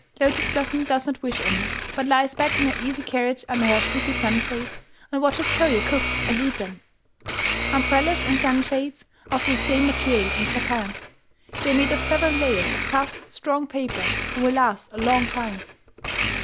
Lotus Blossom does not wish any, but lies back in her easy carriage under her pretty sunshade, and watches Toyo cook and eat them. Umbrellas and sunshades are of the same material in Japan. They are made of several layers of tough, strong paper, and will last a long time.